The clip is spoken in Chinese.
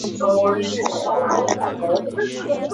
孩子的父亲又是谁？